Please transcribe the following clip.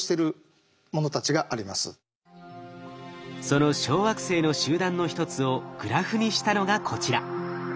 その小惑星の集団の一つをグラフにしたのがこちら。